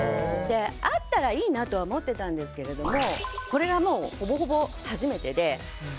あったらいいなとは思ってたんですがこれが、ほぼほぼ初めてで。